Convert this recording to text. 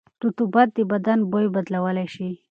رطوبت د بدن بوی بدلولی شي.